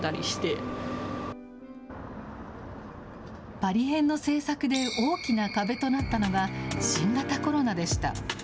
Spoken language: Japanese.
パリ編の制作で大きな壁となったのが、新型コロナでした。